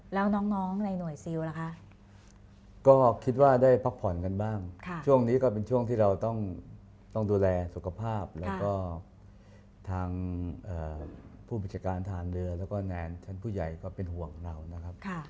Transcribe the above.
แล้วน้องในหน่วยซิลล่ะคะก็คิดว่าได้พักผ่อนกันบ้างช่วงนี้ก็เป็นช่วงที่เราต้องดูแลสุขภาพแล้วก็ทางผู้บัญชาการฐานเรือแล้วก็แนนชั้นผู้ใหญ่ก็เป็นห่วงเรานะครับ